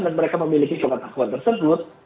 dan mereka memiliki pengetahuan tersebut